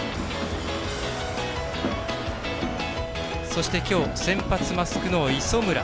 そして、きょう先発マスク磯村。